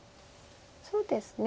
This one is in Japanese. そうですね。